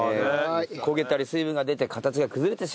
焦げたり水分が出て形が崩れてしまうそうです。